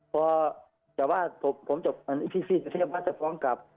เพราะแต่ว่าผมผมจบพี่พี่สุเทพว่าจะฟ้องกลับ